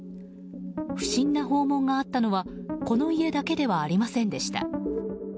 不審な訪問があったのはこの家だけではありませんでした。